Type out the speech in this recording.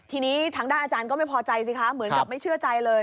ทีนี้ทางด้านอาจารย์ก็ไม่พอใจสิคะเหมือนกับไม่เชื่อใจเลย